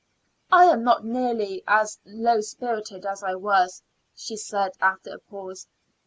"I am not nearly as low spirited as I was," she said after a pause.